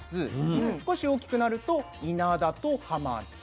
少し大きくなると「いなだ」と「はまち」。